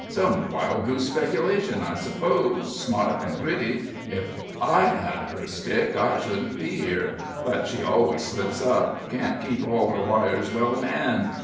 "Some wild goose speculation, I suppose. Smart and gritty if I had her stick I shouldn't be here but she always slips up can't keep all her wires well in hand.